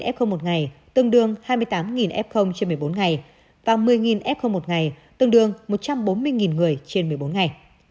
f một ngày tương đương hai mươi tám f trên một mươi bốn ngày và một mươi f một ngày tương đương một trăm bốn mươi người trên một mươi bốn ngày